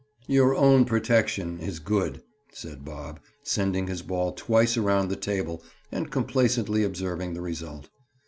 "'Your own protection' is good," said Bob, sending his ball twice around the table and complacently observing the result.